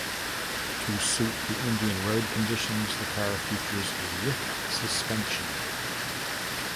To suit the Indian road conditions, the car features a lift suspension.